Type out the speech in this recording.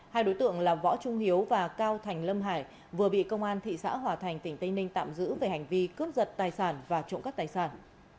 hai đối tượng là võ trung hiếu và cao thành lâm hải vừa bị công an thị xã hòa thành tỉnh tây ninh tạm giữ về hành vi cướp giật tài sản và trộm cắp tài sản